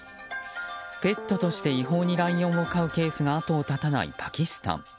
ペットとして違法にライオンを飼うケースが後を絶たないパキスタン。